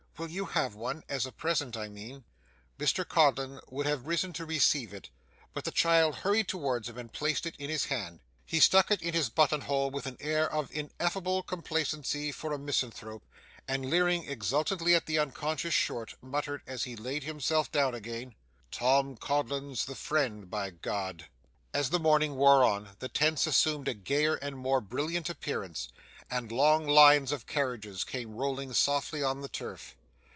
Will you have one as a present I mean?' Mr Codlin would have risen to receive it, but the child hurried towards him and placed it in his hand. He stuck it in his buttonhole with an air of ineffable complacency for a misanthrope, and leering exultingly at the unconscious Short, muttered, as he laid himself down again, 'Tom Codlin's the friend, by G !' As the morning wore on, the tents assumed a gayer and more brilliant appearance, and long lines of carriages came rolling softly on the turf.